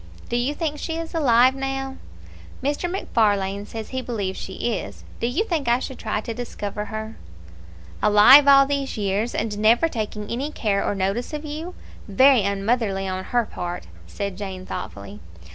"Do you think she is alive now?" "Mr. MacFarlane says he believes she is. Do you think I should try to discover her?" "Alive all these years, and never taking any care or notice of you! Very unmotherly on her part!" said Jane, thoughtfully.